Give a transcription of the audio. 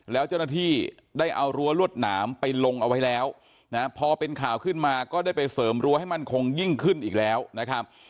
แล้วเจ้าหน้าที่ได้เอารั้วรวดหนามไปลงเอาไว้แล้วนะพอเป็นข่าวขึ้นมาก็ได้ไปเสริมรั้วให้มั่นคงยิ่งขึ้นอีกแล้วนะครับ